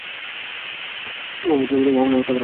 মুহাম্মাদকে কখনই হত্যা করা যাবে না।